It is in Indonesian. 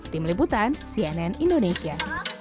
tim liputan cnn indonesia